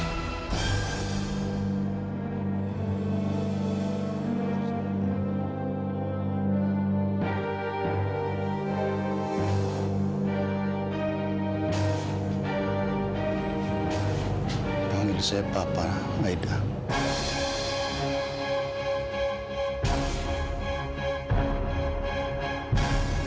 namaku papa haidah